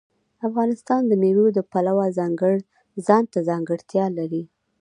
افغانستان د مېوې د پلوه ځانته ځانګړتیا لري.